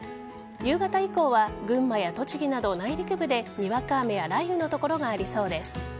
夕方以降は群馬や栃木など内陸部でにわか雨や雷雨の所がありそうです。